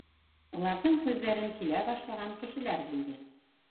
Уларҙың һүҙҙәрен килә башлаған кешеләр бүлде.